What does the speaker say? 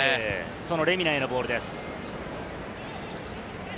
そのレミナへのボールです。